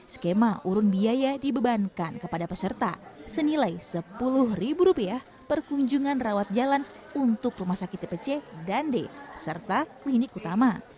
skema urun biaya dibebankan kepada peserta senilai sepuluh rupiah per kunjungan rawat jalan untuk rumah sakit tipe c dan d serta klinik utama